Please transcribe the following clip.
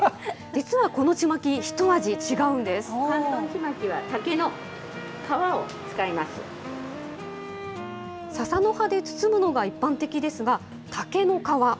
実はこのちまき、一味違うんささの葉で包むのが一般的ですが、竹の皮。